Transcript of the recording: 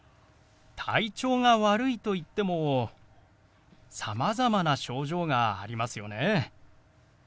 「体調が悪い」といってもさまざまな症状がありますよね。